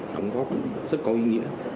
đóng góp rất có ý nghĩa